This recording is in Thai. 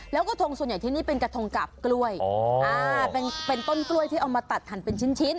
แล้วกระทงส่วนใหญ่ที่นี่เป็นกระทงกาบกล้วยเป็นต้นกล้วยที่เอามาตัดหั่นเป็นชิ้นชิ้น